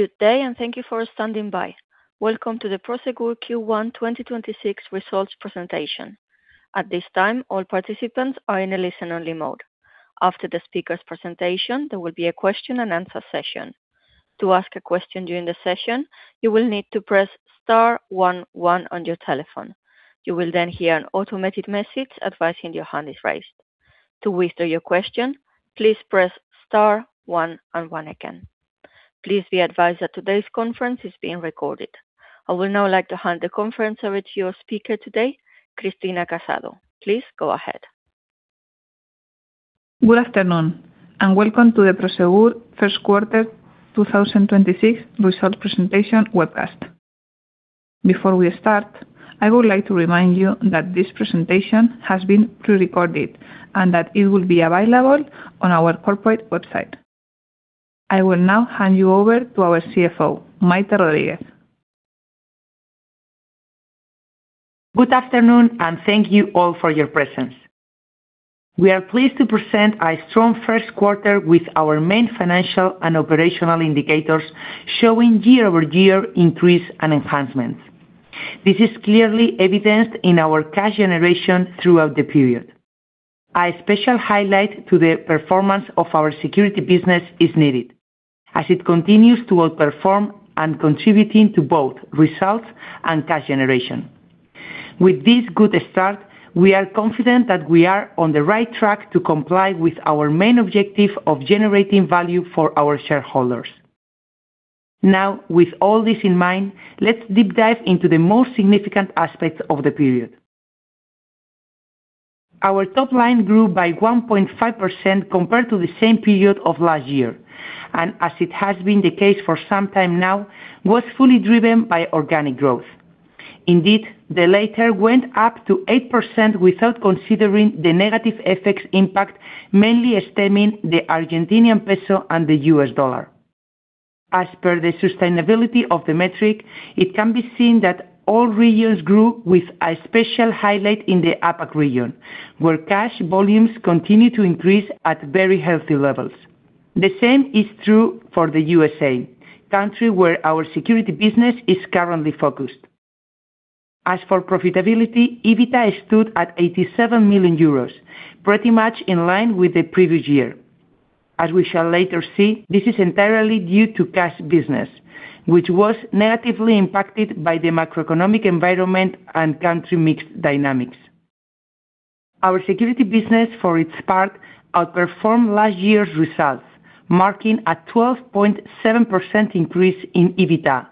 Good day, and thank you for standing by. Welcome to the Prosegur Q1 2026 results presentation. At this time, all participants are in a listen-only mode. After the speaker's presentation, there will be a question-and-answer session. To ask a question during the session, you will need to press star one one on your telephone. You will then hear an automatic message advising your hand is raised. To withdraw your question, please press star one again. Please be advised that today's conference is being recorded. I would now like to hand the conference over to your speaker.I would now like to hand the conference over to your speaker today, Cristina Casado. Please go ahead. Good afternoon, and welcome to the Prosegur first quarter 2026 results presentation webcast. Before we start, I would like to remind you that this presentation has been prerecorded and that it will be available on our corporate website. I will now hand you over to our CFO, Maite Rodríguez. Good afternoon, and thank you all for your presence. We are pleased to present a strong first quarter with our main financial and operational indicators showing year-over-year increase and enhancements. This is clearly evidenced in our cash generation throughout the period. A special highlight to the performance of our security business is needed, as it continues to outperform and contributing to both results and cash generation. With this good start, we are confident that we are on the right track to comply with our main objective of generating value for our shareholders. With all this in mind, let's deep dive into the most significant aspects of the period. Our top line grew by 1.5% compared to the same period of last year, and as it has been the case for some time now, was fully driven by organic growth. The latter went up to 8% without considering the negative FX impact, mainly stemming the Argentinian peso and the US dollar. As per the sustainability of the metric, it can be seen that all regions grew with a special highlight in the APAC region, where cash volumes continue to increase at very healthy levels. The same is true for the U.S.A., country where our security business is currently focused. As for profitability, EBITDA stood at 87 million euros, pretty much in line with the previous year. As we shall later see, this is entirely due to cash business, which was negatively impacted by the macroeconomic environment and country mix dynamics. Our security business, for its part, outperformed last year's results, marking a 12.7% increase in EBITDA,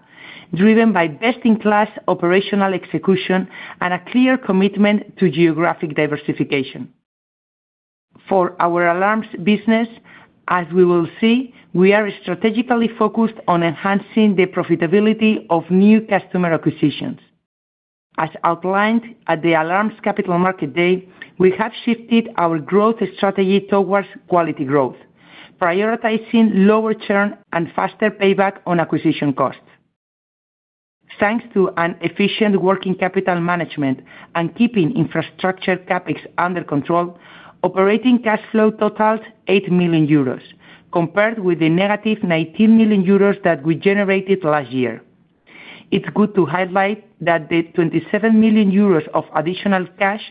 driven by best-in-class operational execution and a clear commitment to geographic diversification. For our alarms business, as we will see, we are strategically focused on enhancing the profitability of new customer acquisitions. As outlined at the Alarms Capital Markets Day, we have shifted our growth strategy towards quality growth, prioritizing lower churn and faster payback on acquisition costs. Thanks to an efficient working capital management and keeping infrastructure CapEx under control, operating cash flow totals 8 million euros, compared with the -19 million euros that we generated last year. It's good to highlight that the 27 million euros of additional cash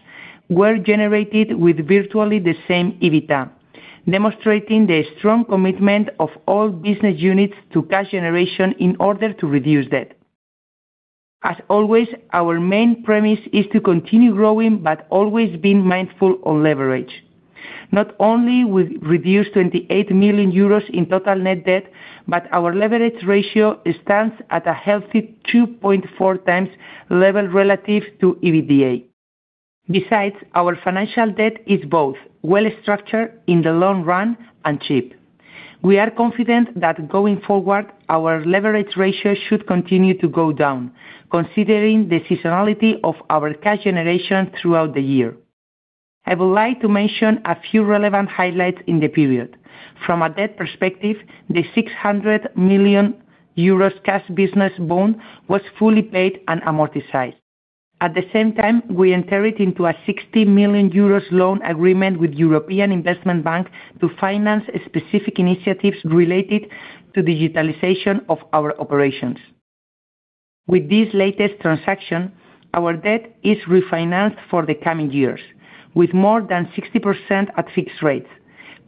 were generated with virtually the same EBITDA, demonstrating the strong commitment of all business units to cash generation in order to reduce debt. As always, our main premise is to continue growing but always being mindful of leverage. Not only we reduced 28 million euros in total net debt, but our leverage ratio stands at a healthy 2.4x level relative to EBITDA. Besides, our financial debt is both well-structured in the long run and cheap. We are confident that going forward, our leverage ratio should continue to go down, considering the seasonality of our cash generation throughout the year. I would like to mention a few relevant highlights in the period. From a debt perspective, the 600 million euros cash business bond was fully paid and amortized. At the same time, we entered into a 60 million euros loan agreement with European Investment Bank to finance specific initiatives related to digitalization of our operations. With this latest transaction, our debt is refinanced for the coming years, with more than 60% at fixed rates,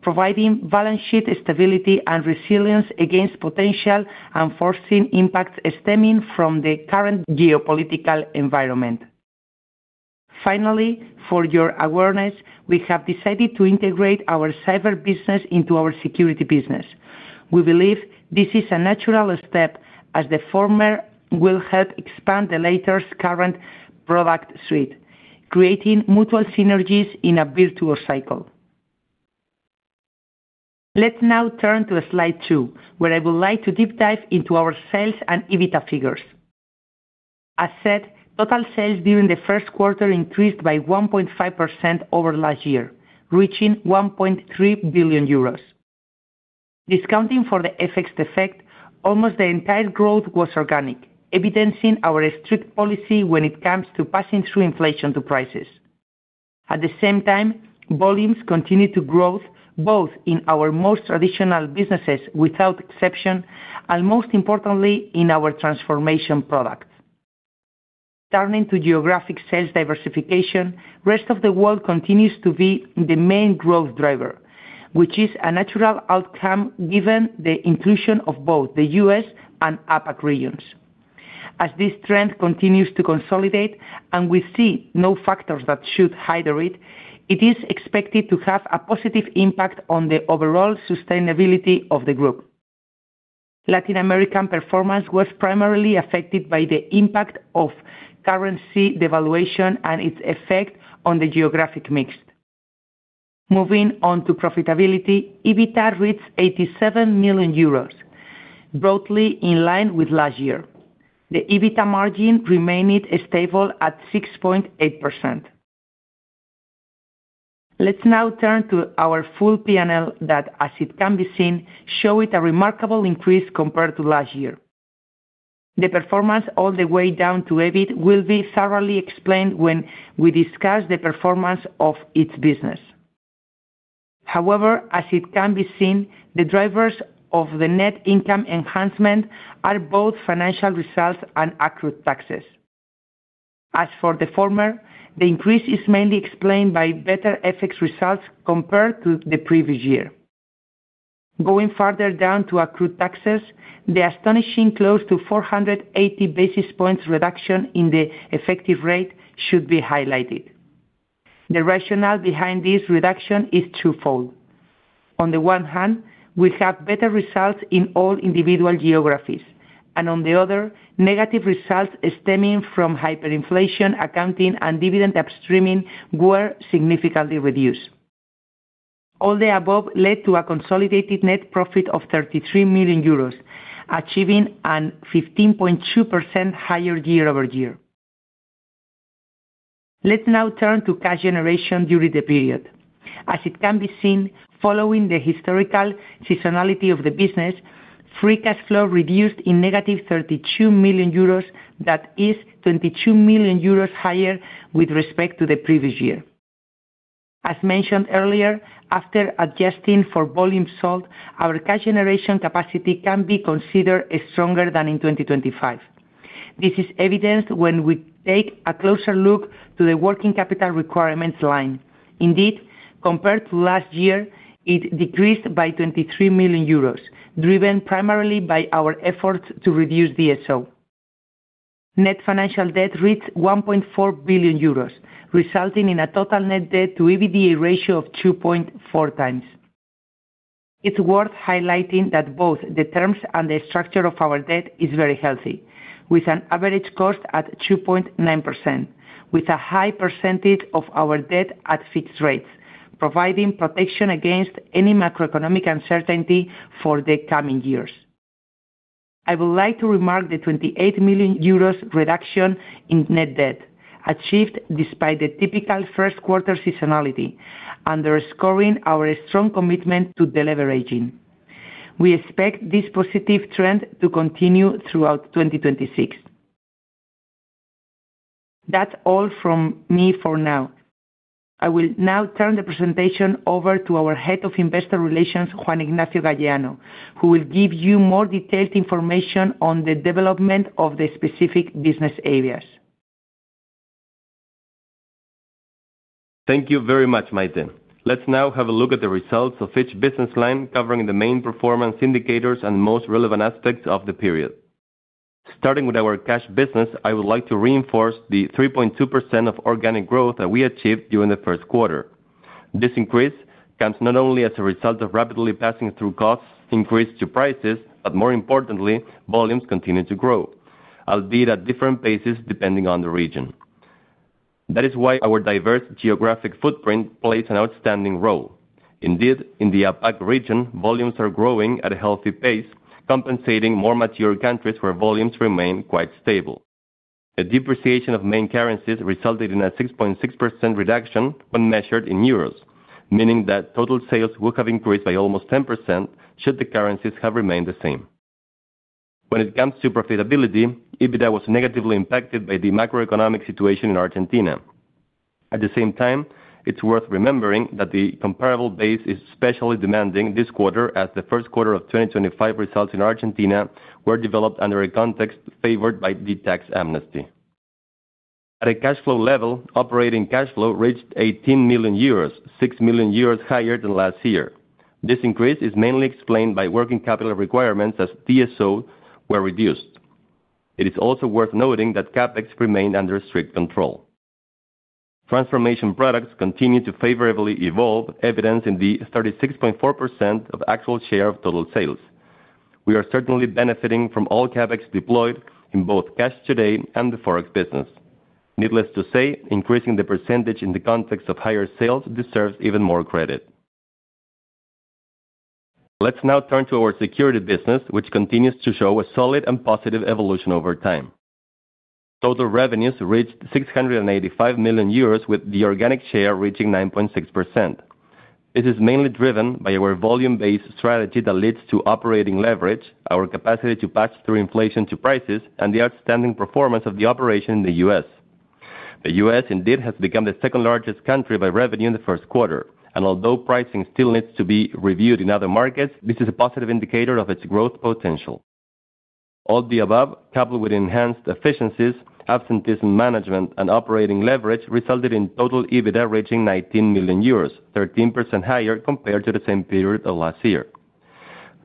providing balance sheet stability and resilience against potential unforeseen impacts stemming from the current geopolitical environment. For your awareness, we have decided to integrate our cyber business into our security business. We believe this is a natural step as the former will help expand the latter's current product suite, creating mutual synergies in a virtual cycle. Let's now turn to slide two, where I would like to deep dive into our sales and EBITDA figures. As said, total sales during the first quarter increased by 1.5% over last year, reaching 1.3 billion euros. Discounting for the FX effect, almost the entire growth was organic, evidencing our strict policy when it comes to passing through inflation to prices. At the same time, volumes continued to grow both in our most traditional businesses without exception, and most importantly, in our transformation products. Turning to geographic sales diversification, rest of the world continues to be the main growth driver, which is a natural outcome given the inclusion of both the U.S. and APAC regions. As this trend continues to consolidate and we see no factors that should hinder it is expected to have a positive impact on the overall sustainability of the group. Latin American performance was primarily affected by the impact of currency devaluation and its effect on the geographic mix. Moving on to profitability, EBITDA reached 87 million euros, broadly in line with last year. The EBITDA margin remained stable at 6.8%. Let's now turn to our full P&L that, as it can be seen, showed a remarkable increase compared to last year. The performance all the way down to EBIT will be thoroughly explained when we discuss the performance of each business. However, as it can be seen, the drivers of the net income enhancement are both financial results and accrued taxes. As for the former, the increase is mainly explained by better FX results compared to the previous year. Going further down to accrued taxes, the astonishing close to 480 basis points reduction in the effective rate should be highlighted. The rationale behind this reduction is twofold. On the one hand, we have better results in all individual geographies, and on the other, negative results stemming from hyperinflation accounting and dividend upstreaming were significantly reduced. All the above led to a consolidated net profit of 33 million euros, achieving a 15.2% higher year-over-year. Let's now turn to cash generation during the period. As it can be seen, following the historical seasonality of the business, free cash flow reduced in negative 32 million euros, that is 22 million euros higher with respect to the previous year. As mentioned earlier, after adjusting for volume sold, our cash generation capacity can be considered stronger than in 2025. This is evidenced when we take a closer look to the working capital requirements line. Indeed, compared to last year, it decreased by 23 million euros, driven primarily by our efforts to reduce DSO. Net financial debt reached 1.4 billion euros, resulting in a total net debt to EBITDA ratio of 2.4x. It's worth highlighting that both the terms and the structure of our debt is very healthy, with an average cost at 2.9%, with a high percentage of our debt at fixed rates, providing protection against any macroeconomic uncertainty for the coming years. I would like to remark the 28 million euros reduction in net debt, achieved despite the typical first quarter seasonality, underscoring our strong commitment to deleveraging. We expect this positive trend to continue throughout 2026. That's all from me for now. I will now turn the presentation over to our Head of Investor Relations, Juan Ignacio Galleano, who will give you more detailed information on the development of the specific business areas. Thank you very much, Maite. Let's now have a look at the results of each business line, covering the main performance indicators and most relevant aspects of the period. Starting with our Cash business, I would like to reinforce the 3.2% of organic growth that we achieved during the first quarter. This increase comes not only as a result of rapidly passing through costs increase to prices, but more importantly, volumes continue to grow, albeit at different paces depending on the region. That is why our diverse geographic footprint plays an outstanding role. In the APAC region, volumes are growing at a healthy pace, compensating more mature countries where volumes remain quite stable. A depreciation of main currencies resulted in a 6.6% reduction when measured in euros, meaning that total sales will have increased by almost 10% should the currencies have remained the same. When it comes to profitability, EBITDA was negatively impacted by the macroeconomic situation in Argentina. At the same time, it's worth remembering that the comparable base is especially demanding this quarter as the first quarter of 2025 results in Argentina were developed under a context favored by the tax amnesty. At a cash flow level, operating cash flow reached 18 million euros, 6 million euros higher than last year. This increase is mainly explained by working capital requirements as DSO were reduced. It is also worth noting that CapEx remained under strict control. Transformation products continue to favorably evolve, evidenced in the 36.4% of actual share of total sales. We are certainly benefiting from all CapEx deployed in both Cash Today and the Forex business. Needless to say, increasing the percentage in the context of higher sales deserves even more credit. Let's now turn to our security business, which continues to show a solid and positive evolution over time. Total revenues reached 685 million euros, with the organic share reaching 9.6%. This is mainly driven by our volume-based strategy that leads to operating leverage, our capacity to pass through inflation to prices, and the outstanding performance of the operation in the U.S. The U.S. indeed has become the second-largest country by revenue in the first quarter. Although pricing still needs to be reviewed in other markets, this is a positive indicator of its growth potential. All the above, coupled with enhanced efficiencies, absenteeism management, and operating leverage, resulted in total EBITDA reaching 19 million euros, 13% higher compared to the same period of last year.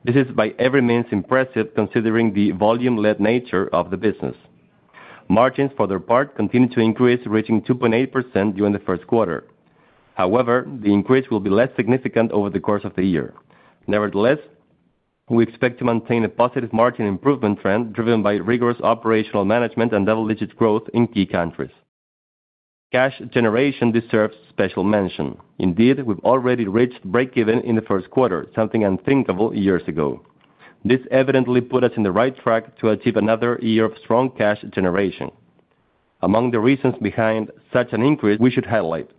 This is by every means impressive considering the volume-led nature of the business. Margins, for their part, continued to increase, reaching 2.8% during the first quarter. However, the increase will be less significant over the course of the year. Nevertheless, we expect to maintain a positive margin improvement trend driven by rigorous operational management and double-digit growth in key countries. Cash generation deserves special mention. Indeed, we've already reached break-even in the first quarter, something unthinkable years ago. This evidently put us in the right track to achieve another year of strong cash generation. Among the reasons behind such an increase, we should highlight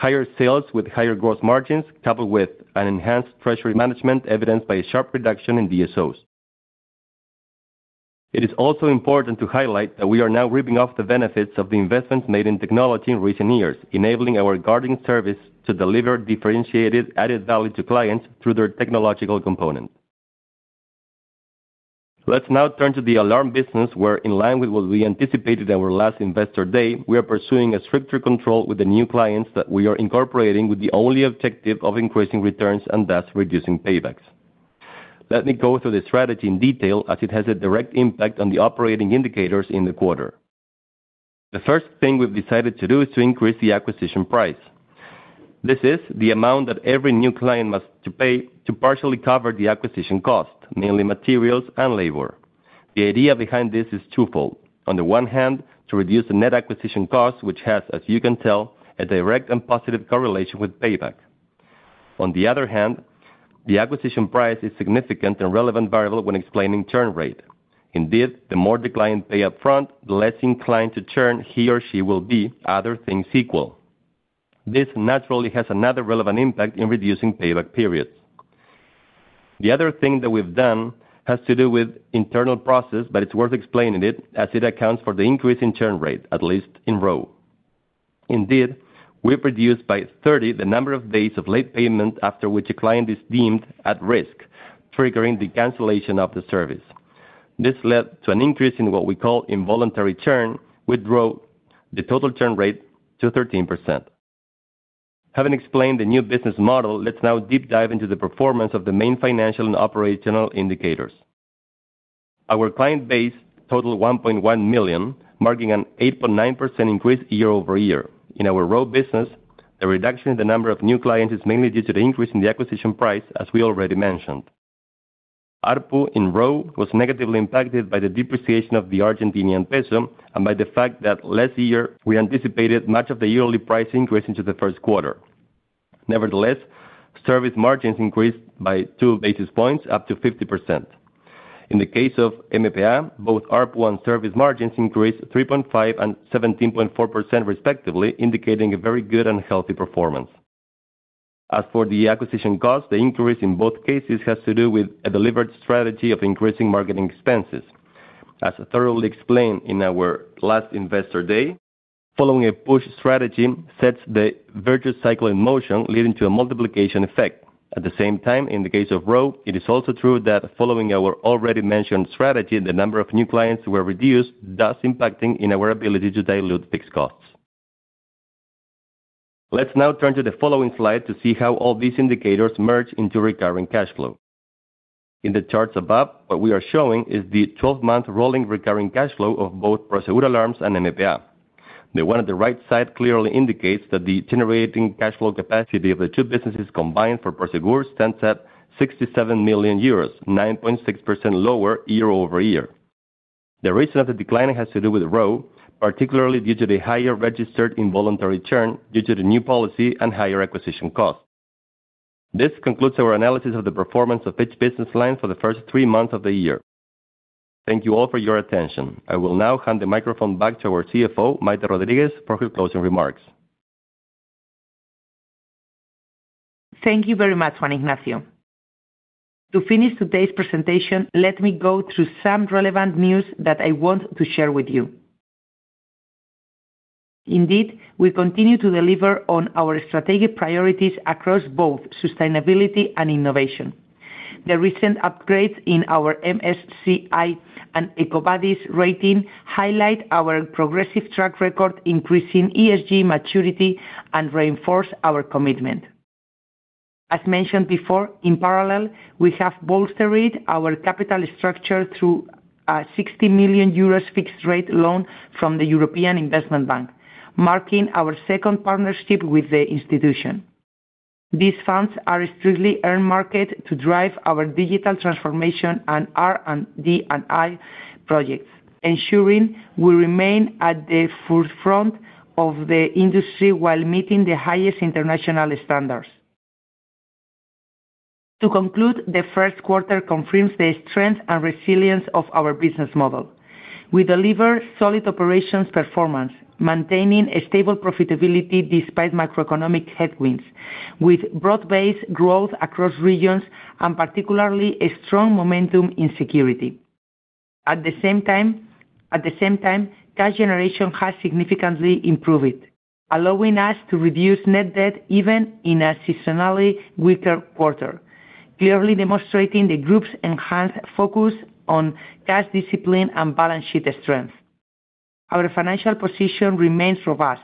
higher sales with higher gross margins, coupled with an enhanced treasury management evidenced by a sharp reduction in DSOs. It is also important to highlight that we are now reaping the benefits of the investments made in technology in recent years, enabling our guarding service to deliver differentiated added value to clients through their technological component. Let's now turn to the alarm business, where in line with what we anticipated at our last Investor Day, we are pursuing a stricter control with the new clients that we are incorporating with the only objective of increasing returns and thus reducing paybacks. Let me go through the strategy in detail, as it has a direct impact on the operating indicators in the quarter. The first thing we've decided to do is to increase the acquisition price. This is the amount that every new client must to pay to partially cover the acquisition cost, mainly materials and labor. The idea behind this is twofold. On the one hand, to reduce the net acquisition cost, which has, as you can tell, a direct and positive correlation with payback. On the other hand, the acquisition price is significant and relevant variable when explaining churn rate. Indeed, the more the client pay up front, the less inclined to churn he or she will be, other things equal. This naturally has another relevant impact in reducing payback periods. The other thing that we've done has to do with internal process, but it's worth explaining it as it accounts for the increase in churn rate, at least in ROE. Indeed, we've reduced by 30 the number of days of late payment after which a client is deemed at risk, triggering the cancellation of the service. This led to an increase in what we call involuntary churn, which drove the total churn rate to 13%. Having explained the new business model, let's now deep dive into the performance of the main financial and operational indicators. Our client base totaled 1.1 million, marking an 8.9% increase year-over-year. In our ROE business, the reduction in the number of new clients is mainly due to the increase in the acquisition price, as we already mentioned. ARPU in ROE was negatively impacted by the depreciation of the Argentinian peso and by the fact that last year we anticipated much of the yearly price increase into the first quarter. Nevertheless, service margins increased by 2 basis points, up to 50%. In the case of MPA, both ARPU and service margins increased 3.5% and 17.4% respectively, indicating a very good and healthy performance. As for the acquisition cost, the increase in both cases has to do with a deliberate strategy of increasing marketing expenses. As thoroughly explained in our last Investor Day, following a push strategy sets the virtuous cycle in motion, leading to a multiplication effect. At the same time, in the case of ROE, it is also true that following our already mentioned strategy, the number of new clients were reduced, thus impacting in our ability to dilute fixed costs. Let's now turn to the following slide to see how all these indicators merge into recurring cash flow. In the charts above, what we are showing is the 12-month rolling recurring cash flow of both Prosegur Alarms and MPA. The one at the right side clearly indicates that the generating cash flow capacity of the two businesses combined for Prosegur stands at 67 million euros, 9.6% lower year-over-year. The reason of the decline has to do with ROE, particularly due to the higher registered involuntary churn due to the new policy and higher acquisition costs. This concludes our analysis of the performance of each business line for the first three months of the year. Thank you all for your attention. I will now hand the microphone back to our CFO, Maite Rodríguez, for her closing remarks. Thank you very much, Juan Ignacio. To finish today's presentation, let me go through some relevant news that I want to share with you. Indeed, we continue to deliver on our strategic priorities across both sustainability and innovation. The recent upgrades in our MSCI and EcoVadis rating highlight our progressive track record increasing ESG maturity and reinforce our commitment. As mentioned before, in parallel, we have bolstered our capital structure through a 60 million euros fixed rate loan from the European Investment Bank, marking our second partnership with the institution. These funds are strictly earmarked to drive our digital transformation and R&D&I projects, ensuring we remain at the forefront of the industry while meeting the highest international standards. To conclude, the first quarter confirms the strength and resilience of our business model. We deliver solid operations performance, maintaining a stable profitability despite macroeconomic headwinds, with broad-based growth across regions and particularly a strong momentum in security. At the same time, cash generation has significantly improved, allowing us to reduce net debt even in a seasonally weaker quarter, clearly demonstrating the group's enhanced focus on cash discipline and balance sheet strength. Our financial position remains robust,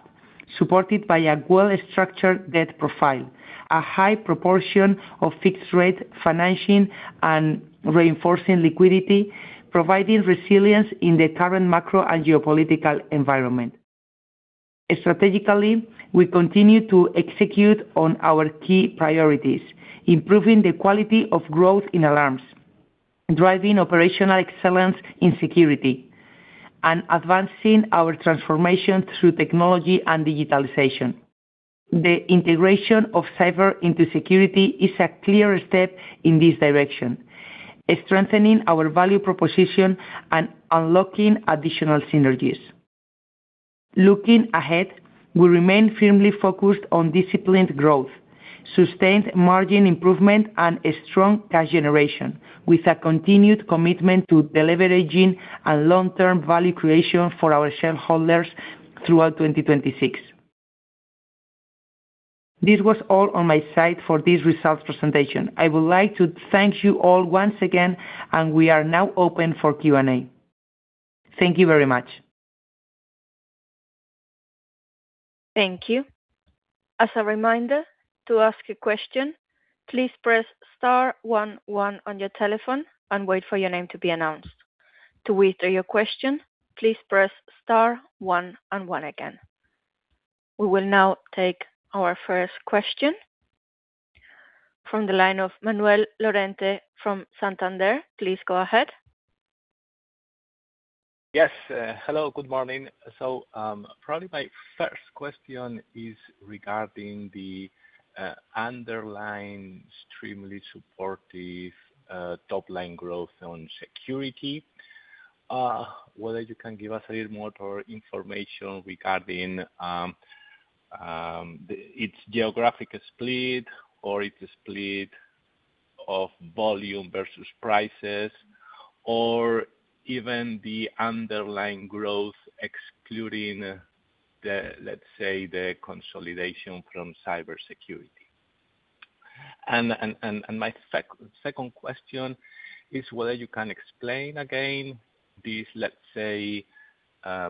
supported by a well-structured debt profile, a high proportion of fixed-rate financing, and reinforcing liquidity, providing resilience in the current macro and geopolitical environment. Strategically, we continue to execute on our key priorities, improving the quality of growth in alarms, driving operational excellence in security, and advancing our transformation through technology and digitalization. The integration of cyber into security is a clear step in this direction, strengthening our value proposition and unlocking additional synergies. Looking ahead, we remain firmly focused on disciplined growth, sustained margin improvement, and a strong cash generation, with a continued commitment to deleveraging and long-term value creation for our shareholders throughout 2026. This was all on my side for this results presentation. I would like to thank you all once again, and we are now open for Q&A. Thank you very much. Thank you. As a reminder, to ask a question, please press star one one on your telephone and wait for your name to be announced. To withdraw your question, please press star one and one again. We will now take our first question from the line of Manuel Lorente from Santander. Please go ahead. Yes. Hello, good morning. Probably my first question is regarding the underlying extremely supportive top-line growth on security. Whether you can give us a little more information regarding its geographic split or its split of volume versus prices, or even the underlying growth excluding the, let's say, the consolidation from cybersecurity. My second question is whether you can explain again this, let's say,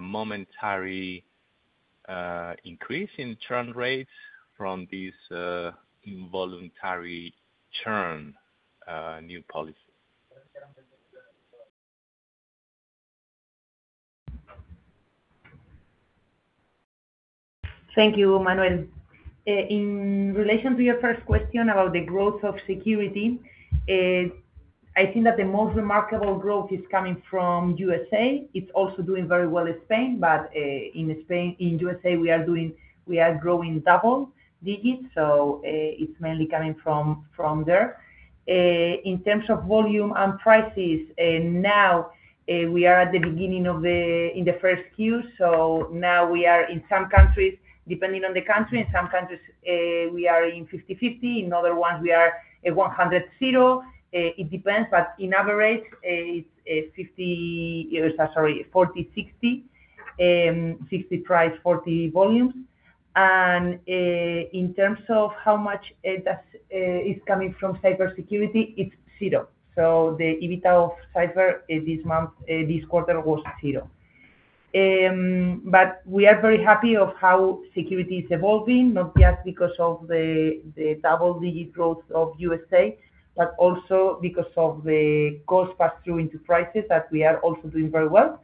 momentary increase in churn rates from this involuntary churn new policy. Thank you, Manuel. In relation to your first question about the growth of security, I think that the most remarkable growth is coming from the U.S. It's also doing very well in Spain, but in the U.S., we are growing double digits. It's mainly coming from there. In terms of volume and prices, now we are at the beginning of the first Q. Now we are in some countries, depending on the country, in some countries, we are in 50/50, in other ones we are at 100/0. It depends, but in average, it's 40/60. 60% price, 40% volumes. In terms of how much that's coming from cybersecurity, it's 0%. The EBITDA of cyber this month, this quarter was 0. We are very happy of how security is evolving, not just because of the double-digit growth of U.S., but also because of the cost pass-through into prices that we are also doing very well.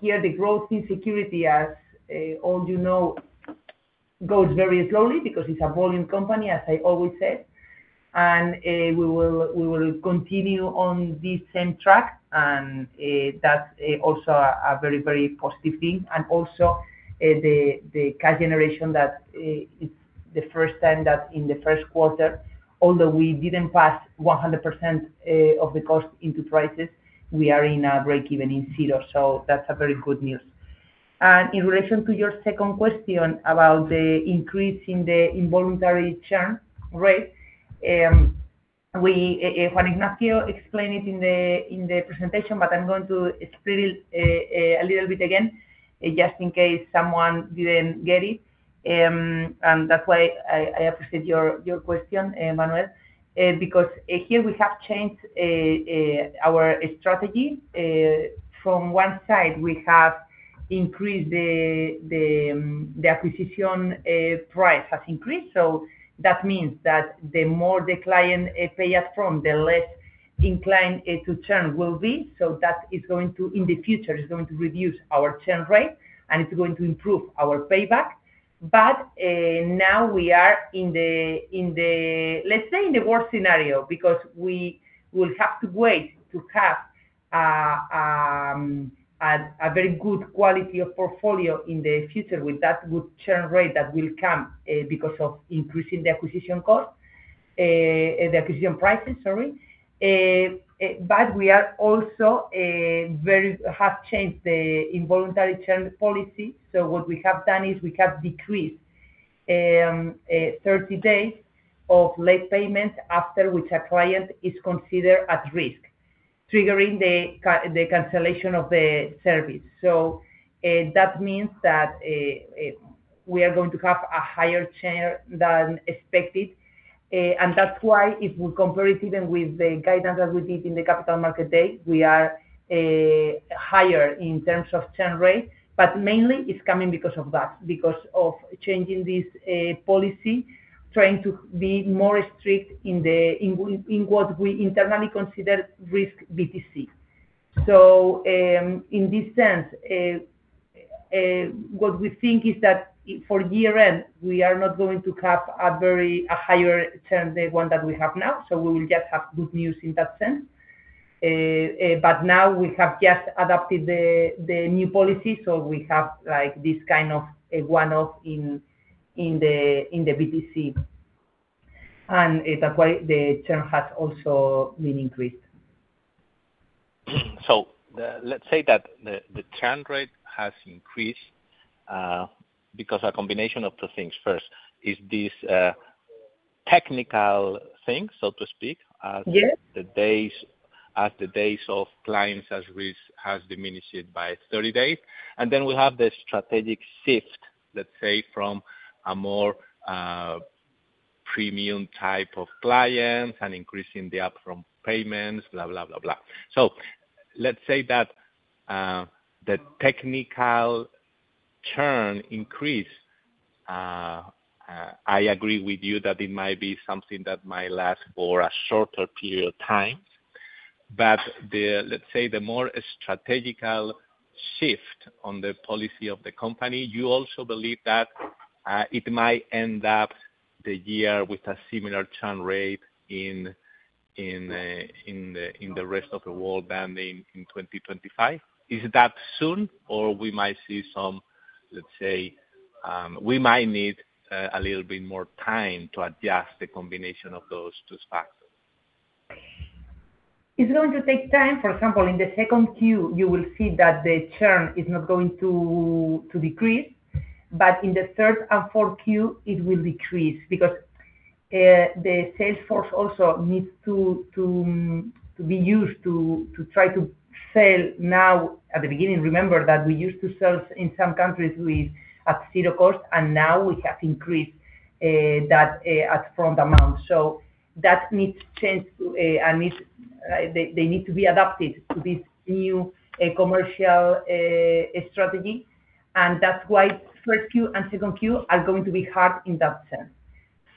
Here, the growth in security, as all you know, goes very slowly because it's a volume company, as I always said. We will continue on this same track. That's also a very positive thing. Also, the cash generation that it's the first time that in the first quarter, although we didn't pass 100% of the cost into prices, we are in a break-even in 0. That's a very good news. In relation to your second question about the increase in the involuntary churn rate, Juan Ignacio explained it in the presentation, but I'm going to explain it a little bit again, just in case someone didn't get it. That's why I appreciate your question, Manuel. Here we have changed our strategy. From one side, we have increased the acquisition price has increased. That means that the more the client pay us from, the less inclined it to churn will be. That is going to, in the future, reduce our churn rate, and it's going to improve our payback. Now we are in the worst scenario, because we will have to wait to have a very good quality of portfolio in the future with that good churn rate that will come because of increasing the acquisition cost, the acquisition prices, sorry. We are also have changed the involuntary churn policy. What we have done is we have decreased 30 days of late payment after which a client is considered at risk, triggering the cancellation of the service. That means that we are going to have a higher churn than expected. That's why if we compare it even with the guidance that we did in the Capital Markets Day, we are higher in terms of churn rate. Mainly it's coming because of that, because of changing this policy, trying to be more strict in what we internally consider risk VTC. In this sense, what we think is that for year-end, we are not going to have a higher churn, the one that we have now. We will just have good news in that sense. Now we have just adopted the new policy, we have, like, this kind of a one-off in the VTC. That's why the churn has also been increased. Let's say that the churn rate has increased because a combination of two things. First is this technical thing, so to speak. Yes. The days, the days of clients as risk has diminished by 30 days. We have the strategic shift, let's say, from a more premium type of clients and increasing the upfront payments, blah, blah. Let's say that the technical churn increase, I agree with you that it might be something that might last for a shorter period of time. The, let's say, the more strategic shift on the policy of the company, you also believe that it might end up the year with a similar churn rate in the rest of the world than in 2025. Is that soon or we might see some, let's say, we might need a little bit more time to adjust the combination of those two factors? It's going to take time. For example, in the second Q, you will see that the churn is not going to decrease. In the third and fourth Q, it will decrease because the sales force also needs to be used to try to sell now at the beginning. Remember that we used to sell in some countries with at zero cost, and now we have increased that upfront amount. That needs change to, they need to be adapted to this new commercial strategy. That's why first Q and second Q are going to be hard in that sense.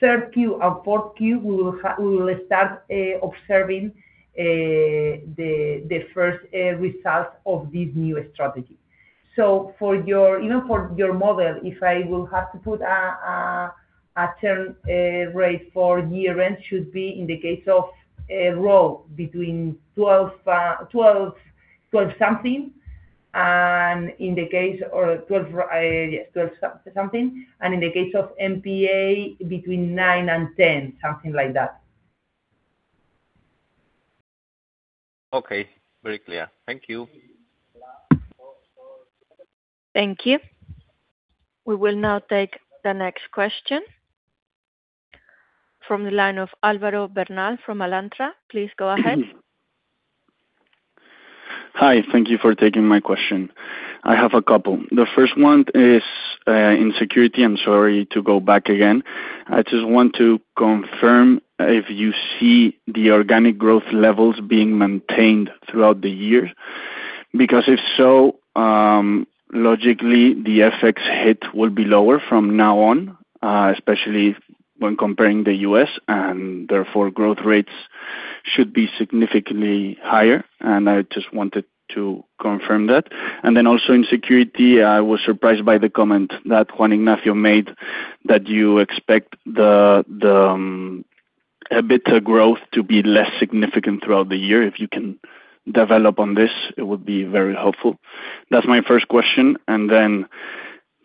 Third Q and fourth Q, we will start observing the first results of this new strategy. For your, you know, for your model, if I will have to put a churn rate for year-end should be in the case of ROE between 12% something. In the case of 12%, yes, 12% something. In the case of MPA, between 9% and 10%, something like that. Okay. Very clear. Thank you. Thank you. We will now take the next question from the line of Alvaro Bernal from Alantra. Please go ahead. Hi. Thank you for taking my question. I have a couple. The first one is in security. I'm sorry to go back again. I just want to confirm if you see the organic growth levels being maintained throughout the year. Because if so, logically, the FX hit will be lower from now on, especially when comparing the U.S., and therefore growth rates should be significantly higher. I just wanted to confirm that. Also in security, I was surprised by the comment that Juan Ignacio made that you expect the EBITDA growth to be less significant throughout the year. If you can develop on this, it would be very helpful. That's my first question.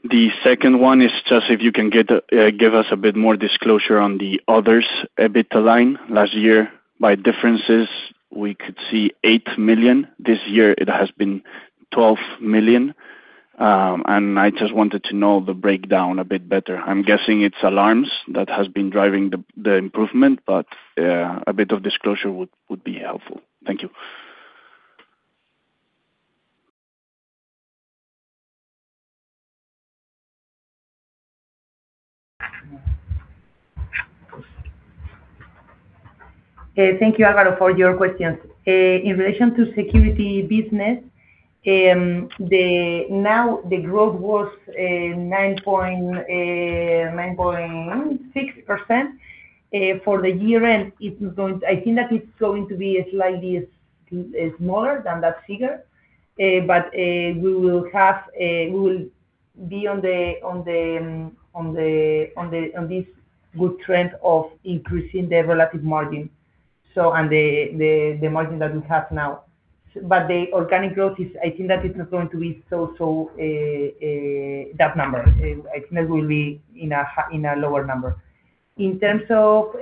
The second one is just if you can give us a bit more disclosure on the others EBITDA line. Last year, by differences, we could see 8 million. This year it has been 12 million. I just wanted to know the breakdown a bit better. I'm guessing it's alarms that has been driving the improvement, but a bit of disclosure would be helpful. Thank you. Thank you, Alvaro, for your questions. In relation to security business, now the growth was 9.6%. For the year-end, I think that it's going to be slightly smaller than that figure. We will have, we will be on this good trend of increasing the relative margin. The margin that we have now. The organic growth is I think that it's not going to be that number. I think it will be in a lower number. In terms of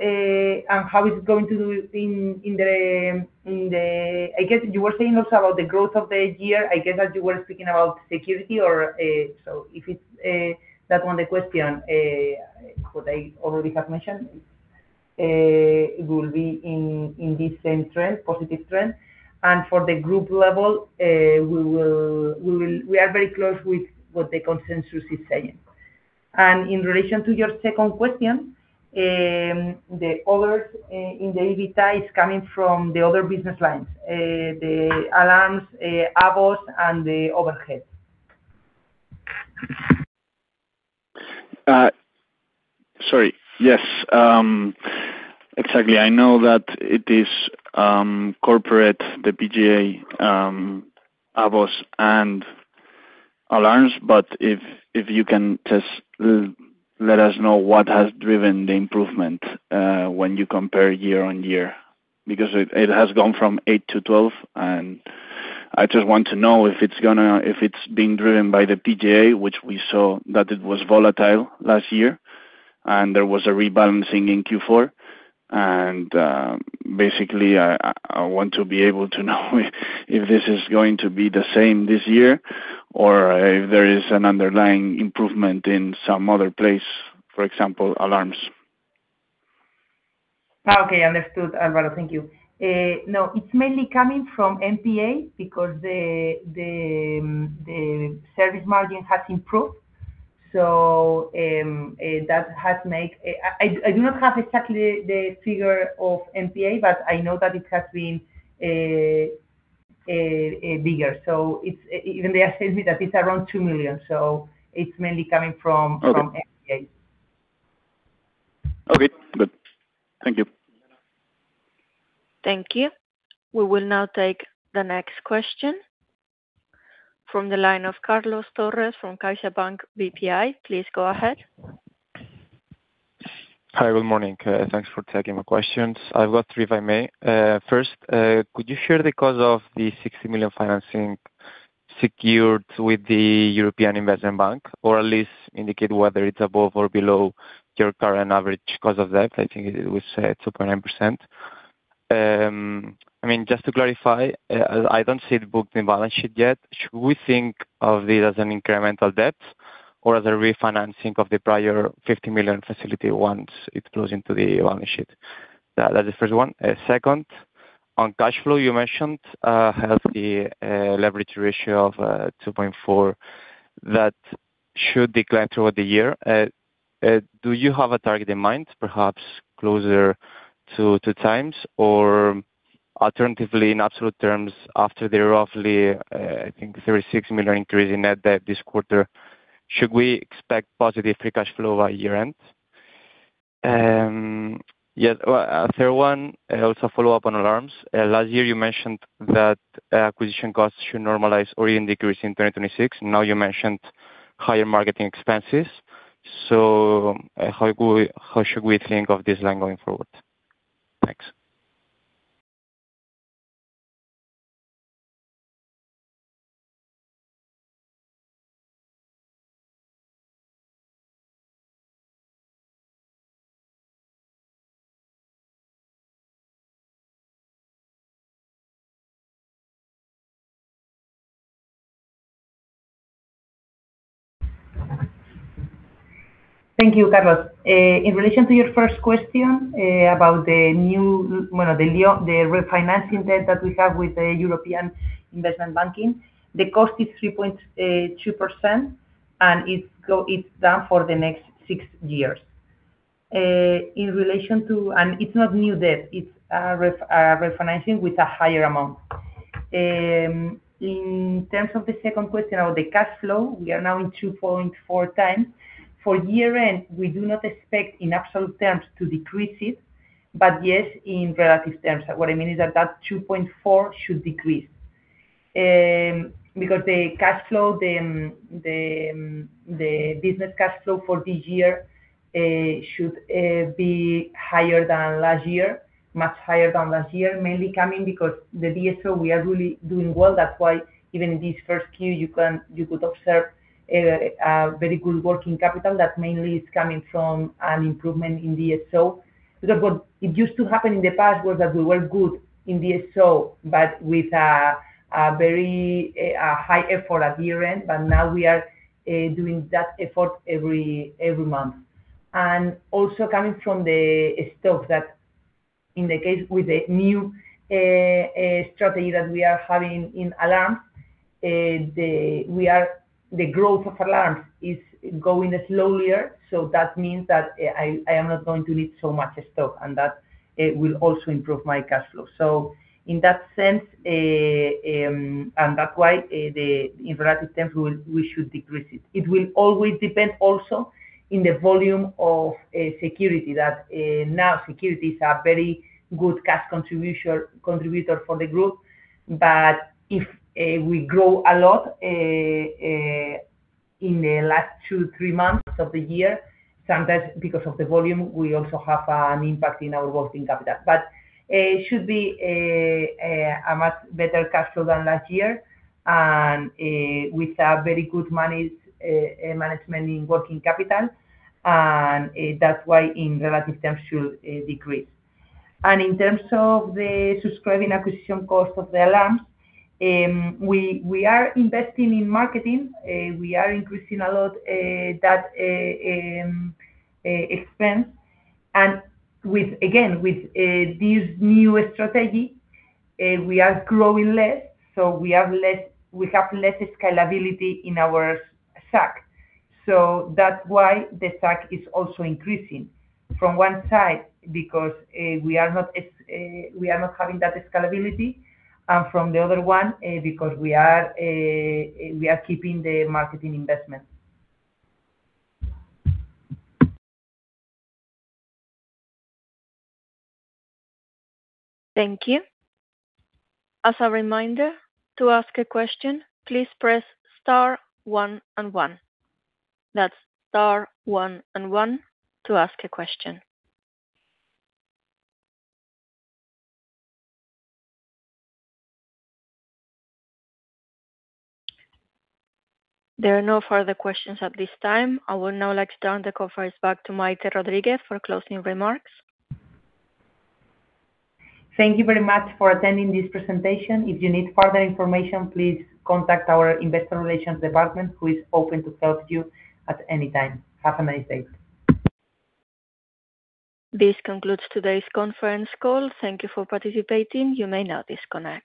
how it's going to do in I guess you were saying also about the growth of the year. I guess that you were speaking about security or, so if it's that one the question, what I already have mentioned, it will be in this same trend, positive trend. For the group level, we will. We are very close with what the consensus is saying. In relation to your second question, the others, in the EBITDA is coming from the other business lines. The alarms, AVOS, and the overhead. Sorry. Yes, exactly. I know that it is corporate, the PGA, AVOS and alarms, if you can just let us know what has driven the improvement when you compare year-over-year. It has gone from 8% to 12%, I just want to know if it's going to be driven by the PGA, which we saw that it was volatile last year, there was a rebalancing in Q4. I want to be able to know if this is going to be the same this year or if there is an underlying improvement in some other place, for example, alarms. Okay. Understood, Alvaro. Thank you. It's mainly coming from MPA because the service margin has improved. I do not have exactly the figure of MPA, but I know that it has been bigger. Even they have said to me that it's around EUR 2 million. Okay. From MPA. Okay. Good. Thank you. Thank you. We will now take the next question from the line of Carlos Torres from CaixaBank BPI. Please go ahead. Hi. Good morning. Thanks for taking my questions. I've got three, if I may. First, could you share the cause of the 60 million financing secured with the European Investment Bank, or at least indicate whether it's above or below your current average cost of debt? I think it was 2.9%. I mean, just to clarify, I don't see it booked in balance sheet yet. Should we think of it as an incremental debt or as a refinancing of the prior 50 million facility once it flows into the balance sheet? That is first one. Second, on cash flow, you mentioned a healthy leverage ratio of 2.4x that should decline throughout the year. Do you have a target in mind, perhaps closer to 2x? Alternatively, in absolute terms, after the roughly, I think 36 million increase in net debt this quarter, should we expect positive free cash flow by year-end? Yeah. Well, third one, also follow up on Alarms. Last year you mentioned that acquisition costs should normalize or even decrease in 2026. Now you mentioned higher marketing expenses. How should we think of this line going forward? Thanks. Thank you, Carlos. In relation to your first question, about the refinancing debt that we have with the European Investment Bank, the cost is 3.2%, and it's done for the next six years. It's not new debt, it's a refinancing with a higher amount. In terms of the second question about the cash flow, we are now in 2.4x. For year-end, we do not expect in absolute terms to decrease it, but yes, in relative terms. What I mean is that that 2.4x should decrease. Because the business cash flow for this year should be higher than last year, much higher than last year. Mainly coming because the DSO we are really doing well. That's why even in this first Q, you could observe a very good working capital that mainly is coming from an improvement in DSO. It used to happen in the past was that we were good in DSO, but with a very high effort at year-end, but now we are doing that effort every month. Also coming from the stock that in the case with the new strategy that we are having in alarms, the growth of alarms is going slower. That means that I am not going to need so much stock, and that will also improve my cash flow. In that sense, that's why the in relative terms, we should decrease it. It will always depend also in the volume of security that now security is a very good cash contributor for the group. If we grow a lot, in the last two, three months of the year, sometimes because of the volume, we also have an impact in our working capital. It should be a much better cash flow than last year, and with a very good management in working capital, and that is why in relative terms should decrease. In terms of the subscribing acquisition cost of the alarms, we are investing in marketing. We are increasing a lot that expense. Again, with this new strategy, we are growing less, so we have less scalability in our SAC. That's why the SAC is also increasing from one side because we are not having that scalability, and from the other one, because we are keeping the marketing investment. Thank you. As a reminder, to ask a question, please press star one and one. That's star one and one to ask a question. There are no further questions at this time. I would now like to turn the conference back to Maite Rodríguez for closing remarks. Thank you very much for attending this presentation. If you need further information, please contact our Investor Relations department, who is open to help you at any time. Have a nice day. This concludes today's conference call. Thank you for participating. You may now disconnect.